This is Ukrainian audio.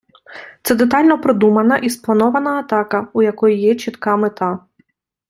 Це детально продумана і спланована атака, у якої є чітка мета.